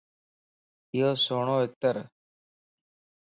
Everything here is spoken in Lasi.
ايو سھڻو عطرَ